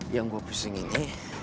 yang gua pusing ini